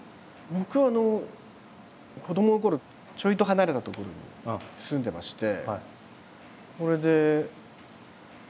僕は子どものころちょいと離れた所に住んでまして。